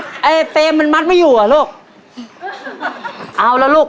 ตัวเลือดที่๓ม้าลายกับนกแก้วมาคอ